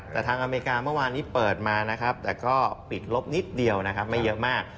แต่ทางอเมริกาเมื่อวานนี้เปิดมาแต่ก็ปิดลบนิดเดียวมาเยอะมาก